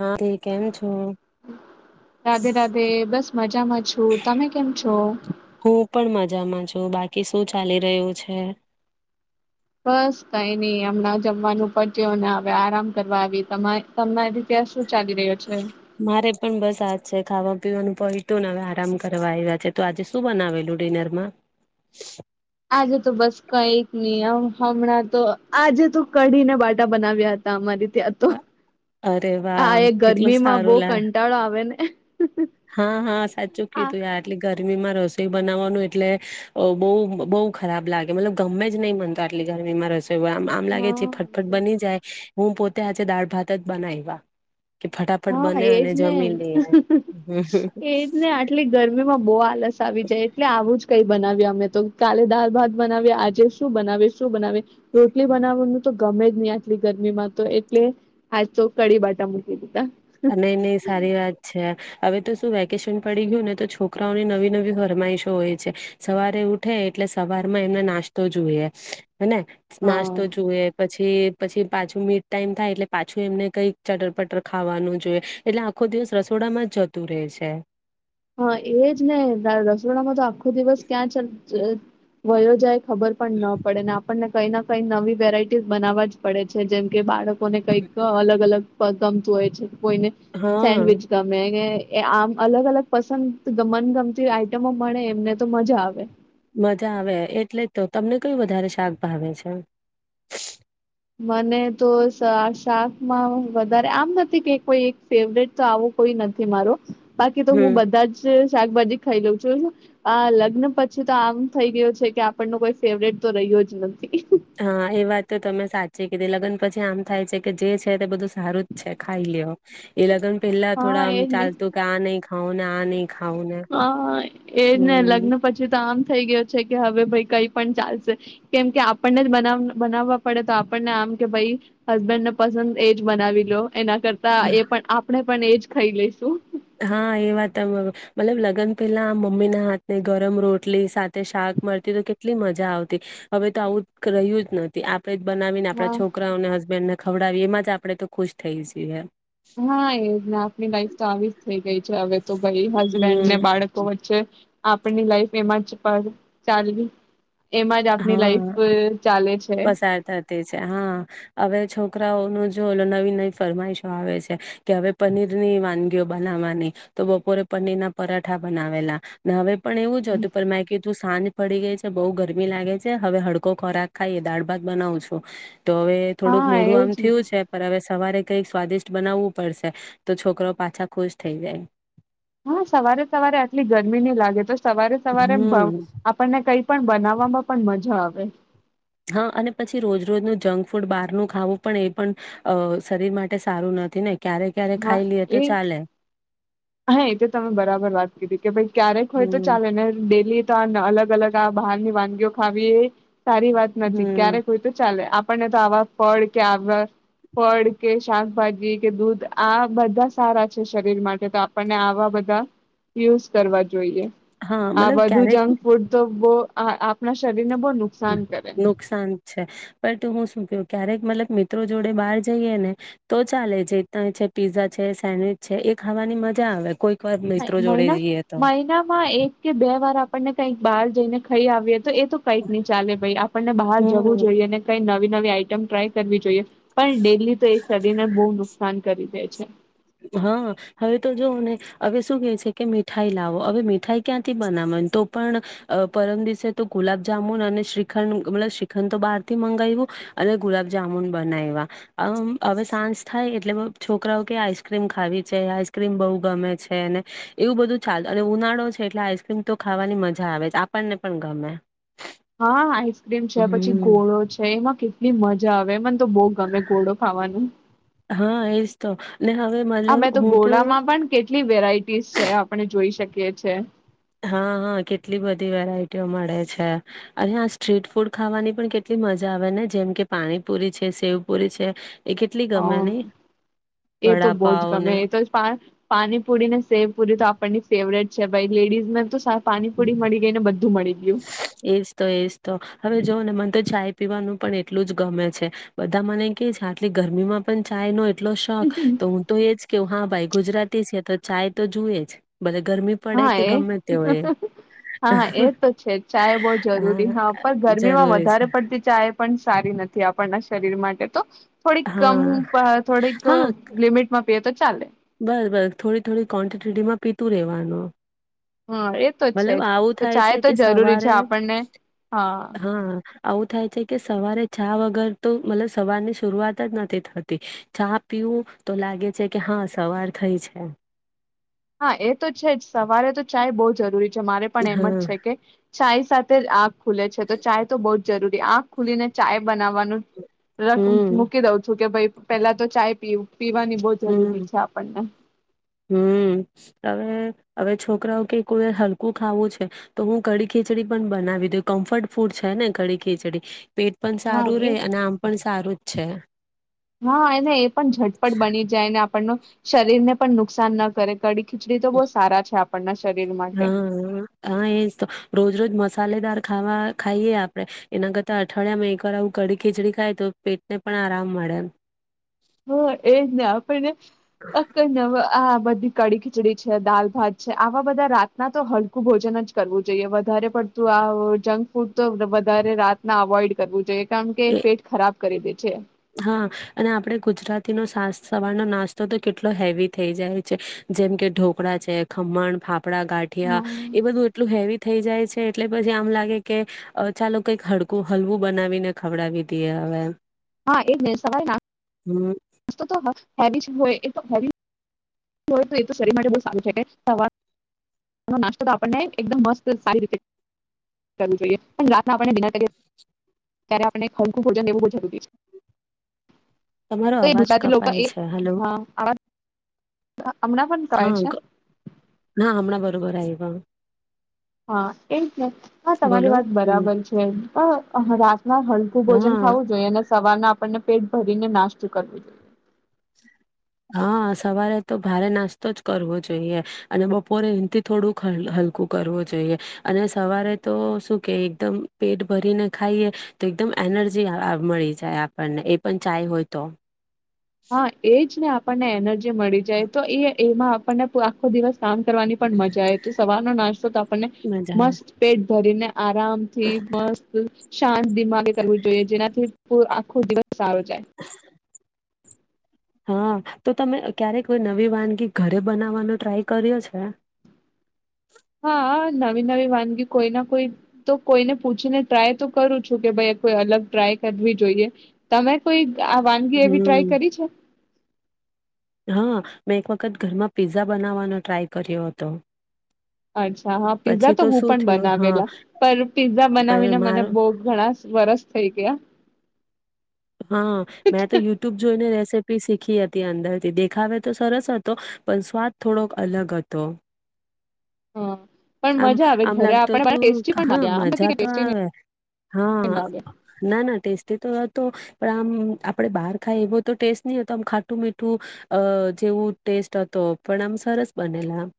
હા તે કેમ છો રાધે રાધે. બસ મજામાં છું. તમે કેમ છો? હું પણ મજામાં છું. બાકી, શું ચાલી રહ્યું છે? બસ, કઈ નઈ. હમણાં જમવાનું પત્યું. અને હવે આરામ કરવા આવી. [unintelligible] ચાલી રહ્યો છે. મારે પણ બસ આજ જ છે. ખાવા પીવાનું પઇતું અને હવે આરામ કરવા આવ્યા છે. તો આજે શું બનાવેલું છે ડિનરમાં? આજે તો બસ કઈક નહી. આમ હમણાં તો, આજે તો કઢીને બાટા બનાવ્યા હતા અમારી. ત્યાં તો, અરે હા વાહ એ કેટલું ગરમીમાં બો સારું લા કંટાળો આવે ને. હા હા સાચું કીધું યાર એટલી ગરમીમાં રસોઈ બનાવાનું એટલે બહુ બહુ ખરાબ લાગે. મતલબ ગમે જ નહી મને આટલી ગરમીમાં રસોઈ. આમ આમ લાગે છે, હા ફટફટ બની જાય. હું પો તે આજે દાળ ભાત જ બનાઇવા. હા એજ ને હ હ હ હમ એજ ને, આટલી ગરમી માં બહુ આલસ. આવી જાય, એટલે આવું. કઈ બનાવ્યા અમે તો. કાલે દાળ ભાત બનાવ્યા. આજે શું બનાવીશ? શુ બનાવિસ, રોટલી બનાવવાનું. તો ગમે જ નહી આટલી ગરમીમાં તો એટલે આજ તો કડી બાટા મૂકી દીધા. અને નઈ સારી વાત છે. હવે તો શું વેકેશન પડી ગયું ને તો છોકરાઓની નવી નવી ફરમાઈશો હોય છે. સવારે ઉઠે એટલે સવારમાં એમને નાસ્તો જોઈએ. હેને હા નાસ્તો જુએ પછી પછી પાછું મીડ ટાઈમ થાય એટલે પાછું એમને કઈક ચટર પટર ખ ખાવાનું જોએ એટલે આખો દિવસ રસોડામાં જ જતું રહેે છે. હા એજ ને રસોડામાં તો આખો દિવસ ક્યાં ચ વયો જાય. ખબર પણ ન પડેને આપણને કઈ ના કઈ નવી વેરાઈટીસ બનાવવા જ પડે છે જેમ કે બાળક કોને કઈ તો અલગ અલગ પગ ગમતું હોય છે. કોઈને હા સેન્ડવીચ ગમે ને એ આમ અલગ અલગ પસંદ મનગમતી આઈટમો મળે એમને તો મજા આવે. મજા આવે એટલે તો તમને કયું વધારે શાક ભાવે છે? મને તો શા શાકમાં વધારે આમ નથી કે કોઈ ફેવરેટ તો આવું કોઈ નથી મારો. બાકી તો હમ હું બધા જ શાકભાજી ખઈ લઉં છું, આ લગ્ન પછી તો આમ થઈ ગયુ છે કે આપણનું કોઈ ફેવરેટ તો રહ્યો જ નથી. હા એ વાત તો તમે સાચી કીધી, લગન પછી આમ થાય છે કે જે છે તે બધું સારું જ છે ખાઈ લ્યો, એ લગન પેલ્લા હા થોડા આમ એજ ને ચાલતું કે આ નઈ ખા. હવ ના આ નઈ હા એજ ને લગ્ન પછી તો આમ થઈ ગયો છે કે હવે ભઈ કંઈ પણ ચાલશે, કેમ કે આપણને જ બનાવ બનાવવા પડે તો આપણને આમ કે ભઈ હસબેન્ડને પસંદ એજ બનાવી લો. એના કરતા એ પણ આપણે પણ એજ ખઈ લઇશું હા એ વાત મ મતલબ લગન પહેલા મમ્મીના હાથની ગરમ રોટલી સાથે શાક મળતી તો કેટલી મજા આવતી, હવે તો આવું રહ્યું જ નથી, આપ ડે જ બનાવીને હા આપણા છોકરાઓ અને હસબન્ડને ખવડાવીએ એમાં જ આપણે તો ખુશ થઈ જીએ હા એજ ને આપની લાઈફ તો આવી જ થઈ ગઈ હવે તો ભાઈ હસબેન્ડને હમ બાળકો વચ્ચે આપણી લાઈફ એમાં જ પર ચાલવી એમાં જ આપણી લાઈફ હા ચાલે છે પસાર થતી છે, હા અવે છોકરાઓ નુ જો નવી નવી ફરમાઈશો આવે છે કે હવે પનીરની વાનગીઓ બનાવવાની તો બપોરે પનીરના પરાઠા બનાવેલા ને હવે પણ એવું જ હતું પણ મેં કીધુ સાને પડી ગઈ છે બઉ ગરમી લાગે છે. હવે હડકો ખોરાક ખાઈએ દાળ ભાત બનાવું છો તો હવે હા થોડુંક મોઢું આમ એજ ને થયું છે પણ હવે સવારે કઈક સ્વાદિષ્ટ બનાવવું પડશે તો છોકરો પાછા ખુશ થઈ જાય. હા સવારે સવારે આટલી ગરમી નહી લાગે તો સવારે સવારે હમ આપણને કઈ પણ બનાવવામાં પણ મજા આવે. હા અને પછી રોજ રોજનું જંક ફૂડ બહારનું ખાવું પણ એ પણ અ શરીર માટે સારું નથી ને. ક્યારે ક્યારે હા ખાઈ લઈએ એ તો ચાલે. હા એ તો તમે બરાબર વાત કીધી કે ભાઈ ક્યારેક હોય તો હમ ચાલે ને પેલી તો અલગ અલગ આ બહારની વાનગીઓ ખાવી સારી વાત નથી હમ ક્યારેક હોય તો ચાલે આપણને તો આવા ફળ કે આવા ફળ કે શાકભાજી કે દૂધ આ બધા સારા છે શરીર માટે તો આવા બધા યુઝ કરવા જોઈએ. હા આ મતલબ બધું ક્યારેક જંક ફૂડ તો અ આપના શ નુકસાન છે પણટું હું શું કેવ. ક્યારેક મતલબ મિત્રો જોડે બહાર જઈએ ને તો ચાલે જે ત છે પીઝા છે સેન્ડવીચ છે એ ખાવાની મજા આવે કોઈ મહિના મહિનામાં એક કે બે વાર આપણને કઈક બહાર જઈને ખાઈ આવીએ તો એ તો કંઈક નહી ચાલે ભાઈ આપણને બહાર હમ જવું જોઈએ ને કઈ નવી નવી આઈટમ ટ્રાય કરવી જોઈએ પણ ડેલી તો એ શરીરને બહુ નુકસાન કરી દે છે. હા હવે તો જોવ ને હવે શું કે છે કે મીઠાઈ લાવો હવે મીઠાઈ ક્યાંથી બનાવા તો પણ અ પરમ દિવસે તો ગુલાબજામુન અને શ્રીખંડ મતલબ શ્રીખંડ તો બહાર થી મંગાવું અને ગુલાબજામુન બનાવવા હવે સાંજ થાય એટલે છોકરાઓ કે આઈસ્ ક્રીમ ખાવી છે આઈસ્ક્રીમ બહુ ગમે છે ને એવું બધું ચાલ અને ઉનાળો છે એટલે આઈસ્ક્રીમ તો ખાવાની મજા આવે છે આપણને પણ ગમે. હા આઈસક્રીમ છે પછી હમ ઘોળો છે એમાં કેટલી મજા આવે. હવે મન તો બહ ગમે ઘોડો ખાવાનું. હા એજ તો. ને હવે અમેં મતલબ તો હું ઘોલામાં પણ કેટલી વેરાયટીસ છે આપણે જોઈ શકીએ. કે છે. હા હા કેટલી બધી વેરાયટીઓ મળે છે અને આ સ્ટ્રીટ ફૂડ ખાવાની પણ કેટલી મજા આવે ને જેમ કે પાણીપુરી છે, સેવપુરી છે. એ કેટલી ગમે નહી હ એ તો બહુજ વડાપાવ ગમે ને એ તો પા પાણીપુરી ને શેવ પુરી તો આપણની ફેવરેટ. છે ભાઈ લેડીઝ તો સા પાણીપુડી મળી ગઈ ને બધું મળી. ગયું એજ તો એજ તો હવે જો મને તો ચાય પીવાનું પણ એટલું જ ગમે છે. બધા મને કે છે આટલી ગરમીમાં પણ ચાય નો એટલો શોક તો હા હું તો એ જ કેઉ હા ભાઈ ગુજરાતી છે તો ચાય તો જુએ જ ગરમી પડે હા કે એ ગમે તે હોય હા એ ચાય બઉ એ જરૂરી હા પણ ગરમીમાં જરૂરી છે વધારે પડતી ચાય પણ સારી નથી આપના શરીર માટે તો થોડીક કમ હા પ થોડીક લિમિટમાં પીએ તો ચાલે. બ બ થોડી થોડી ક્વોન્ટિટીમાં પીતું રેવાનું. હા એ તો છે જ તો થાય ચાય છે તો કે જરૂરી છે સવારે આપણને હા. આવું થાય છે કે સવારે ચા વગર તો મતલબ સવાર ની શરૂઆત જ નથી થતી ચા પીવું તો લાગે છે કે હા સવાર થઈ છે. હા એ તો છે જ સવારે તો ચાય બો જરૂરી જ મારે પણ એમ જ હા છે કે ચાય સાથે આગ ખુલે છે, તો ચાય તો બો જરૂરી આંખ ખુલીને ચાય બનાવવાનું રક હમ મૂકી દઉં છું કે ભાઈ પેલા તો ચાય પીવું પીવાની તો જરૂરી હમ છે, આપણને અવે અવે છોકરાઓ કે કોઈ હલકું ખાવું છે, તો હું કડી ખીચડી પણ બનાવી દઉ કમ્ફર્ટ ફૂડ છે, ને કડી ખીચડી. પેટ પણ હા સારું એ રહે અને આમ પણ સારું છે. હા એને પણ ઝટપટ બની જાય ને પણનો શરીર ને પણ નુકસાન ન કરે. કડી ખીચડી તો બો સારા છે. આપણના શરીર હ માટે હ એજ તો રોજ રોજ મ સાલેદાર ખાવા ખાઈએ આપડણે એના કરતા અઠવાડિયામાં એકવાર આવું કડી ખીચડી ખાય તો પેટને પણ આરામ મળે એમ. હા એજ ને આપણને [unintelligible] આ બધી કડી ખીચડી છે, દાલ ભાત છે, આવા બધા રાતના તો હલકું ભોજન જ કરવું જોઈએ વધારે પડતું આ જંક ફૂડ ફૂડ તો વધારે રાત ના અવોઈડ કરવું જોઈએ. કેમ કે એ પેટ ખરાબ કરી દે છે. હા અને આપડે ગુજરાતીનો સાસ સવારનો નાસ્તો તો કેટલો હેવી થઈ જાય છે જેમ કે ઢોકળા છે ખમણ ફા પડા ગાંઠિયા હમ એ બધું એટલું હેવી થઈ જાય છે. એટલે પછી આમ લાગે કે અવે ચાલો કઈક હકું હલવું બનાવીને ખવડાવી દઈએ હવે એમ. હા એટ સવાના. હમ્મ. તો તો હેવી જ હોય એ તો હે એ તો શરીર માટે બહ સારું છે કેર નાસ્તો તો આપણને એકદમ મસ્ત સારી રીતે કરવું જોઈએ પણ રાત આપનેના ડિનર કરીએ ત્યારે આપ હલકું ભોજન એવું બ જરૂરી છે. તમારો તો એ અવાજ ગુજરાતી લોકોક કપાય એક છે હલો હ હમણાં પણ કહે છે. વ રાય વા. હા એ જ ને હ તમારી બોલો વાત હમ બરાબર છે અ રાતમાં હલકું ભોજન હા ખાવું જોઈએ અને સવારના આપને પેટ ભરીને નાસ્ત કરવું જોઈએ. હા સવારે તો ભારે નાસ્તો જ કરવો જોઈએ અને બપોરે એથી થોડુંક હલ હલકું કરવું જોઈએ અને સવારે તો શું કે એકદમ પેટ ભરીને ખાઈએ તો એકદમ એનર્જી મળી જાય આપણને એ પણ ચાય હોય તો. હા એજ ને આપે પણ એનર્જી જી મળી જાય તો એ એમાં આપને આખો દિવસ કામ કરવાની પણ મજા આવે તો સવારનો નાસ્તો તો આપણને મજા આવે. મસ્ત પેટ ભરીને આરામ થી મસ્ત શાંત દિમાગે કરવું જોઈએ. જેનાથી આ આખો દિવસ સારો જાય. હા તો તમે ક્યારેક કોઈ નવી વાનગી ઘરે બનાવવાનો ટ્રાય કર્યો છે? હા નવી નવી વાનગી કોઈ ના કોઈ તો કોઈને પૂછીને ટ્રાય તો કરું છું કે ભાઈ કોઈ અલગ ટ્રાય કરવી જોઈએ. તમે કોઈ આ વાનગી એવી ટ્રાય હમ્મ. કરી છે? હા મેં એક વખત ઘરમાં પિઝા બનાવવાનો ટ્રાય કર્યો હતો. અચ્છા હા પીઝા પછી તો હું શું પણ થયું હા બનાવેલા પર પીઝા બનાવીને મને મારું બહ ઘણા વરસ થઈ ગયા. હા મેં તો યુટ્યુબ જોઈને રેસીપ પી શીખી હતી અંદરથી દેખાવે તો સરસ હતો પણ સ્વાદ થોડોક અલગ હતો. હા. પણ આમ મજા આવે આમ ઘરે લાગત આપણે હતું ટેસ્ટી પણ હા લાગે આમ મજા બધી તો ટેસ્ટી આવે હા લાગે ના ના ટેસ્ટી તો તો પણ આમ આપડે બહાર ખાઈ એવો તો ટેસ્ટ નહી હતો આમ ખાટું મીઠું અ જેવું ટેસ્ટ હતો. પણ આમ સરસ બનેલા આમ.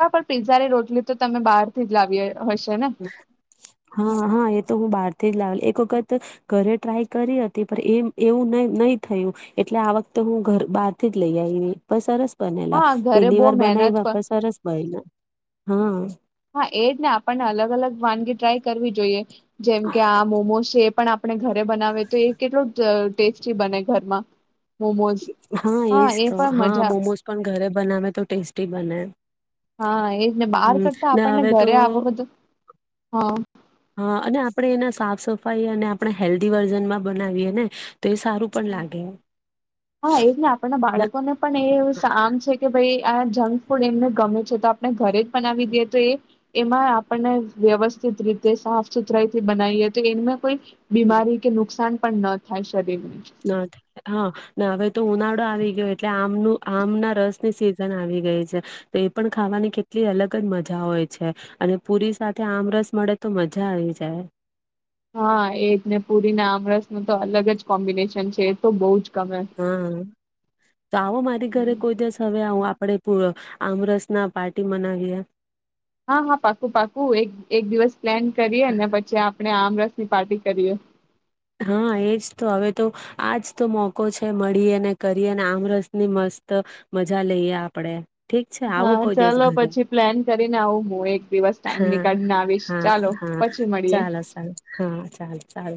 હા પણ પીઝા ની રોટલી તો તમે બહાર થી જ લાવીએ. હા હા એ તો હું બાર લાવે એક વખત ઘરે ટ્રાય કરી હતી. પણ એ એવું નહી થયું એટલે આ વખતે હું ઘર બહાર જ લઈ આવી. પણ સરસ બનાલા હા ઘરે પેલી બહુ વાર બનાવી મહેનત બાપ સરસ બયલા હા. હા એજ ને આપણને અલગ અલગ વાનગી ટ્રાય કરવી જોઈએ. જેમકે આ મોમોઝ છે એ પણ આપણે ઘરે બનાવે તો એ કેટલું ટેસ્ટી બને ઘરમાં મોમોઝ હા એજ એ તો પણ હા મજા આવે. મોમોઝ પણ ઘરે બનાવે તો ટેસ્ટી બને. હા એજ ને બહાર હમ કરતા ને આપણને હવે તો ઘરે આવો બધું હા હા અને આપણે એના સાફ સફાઈ અને આપણે હેલ્ધી વર્ઝનમાં બનાવીએ ને. તો એ સારું પણ લાગે ને હા એજ ને આપણના બાળકોને પણ એવું શમ છે કે ભાઈ આ જંક ફૂડ એમને ગમે છે, તો આપણે ઘરે જ બનાવી દઈએ તો એ એમાં આપણને વ્યવસ્થિત રીતે સાફ સુથરાઈથી બનાવીએ તો એને કોઈ બીમાારી કે નુકસાન પણ ન થાય શરીર ને ના હા હવે તો ઉનાળો આવી ગયો એટલે આમનું આમ ના રસની સિઝન આવી ગઈ છે, તો એ પણ ખાવાની કેટલી અલગ જ મજા હોય છે, અને પુરી સાથે આમ રસ મળે તો મજા આવી જાય. હા એ જને પુરીને આમરસ ન તો અલગ જ કોમ્બિનેશન છે. એ તો બો જ ગમે હા તો આવો મારી ઘરે કોઈ દિવસ હવે આવું આપડે પ આમરસ ના પાર્ટી મનાવી્યા. હા હા પાકું પાકું એક એક દિવસ પ્લાન કરી અને પછી આપણે આમ રસ કી પાર્ટી કરીએ. હા એજ તો હવે તો આજ તો મોકો છે મળી અને કરી અને આમરસ ની મસ્ત મજા લઈએ આપડણે. હા ચાલો પછી પ્લાન કરીને આવું હું એક દિવસ ટાઈમ હા નીકળીને આવીશ હા ચાલો હા પછી મળીએે. ચાલો ચાલો હા ચાલો ચાલો